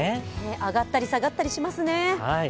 上がったり下がったりしますね。